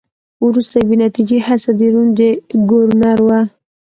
وروستۍ بې نتیجې هڅه د روم د ګورنر وه.